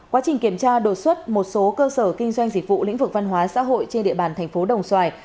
quá trình kiểm tra đột xuất một số cơ sở kinh doanh dịch vụ lĩnh vực văn hóa xã hội trên địa bàn thành phố đồng xoài